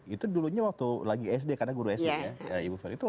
itu dulunya waktu lagi sd karena guru sd ya